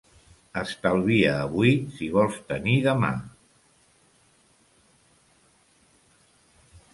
Estalvia avui, si vols tenir demà.